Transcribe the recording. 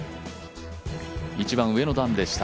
一段上の段でした。